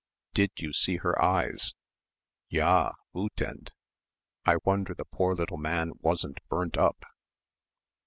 "Did you see her eyes?" "Ja! Wüthend!" "I wonder the poor little man wasn't burnt up."